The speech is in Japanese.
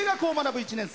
１年生。